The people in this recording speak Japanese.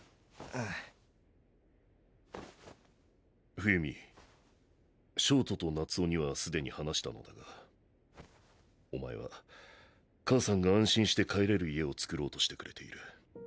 冬美焦凍と夏雄にはすでに話したのだがおまえは母さんが安心して帰れる家をつくろうとしてくれている。